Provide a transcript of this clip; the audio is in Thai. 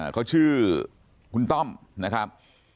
เขาชื่อคุณต้อมนะครับ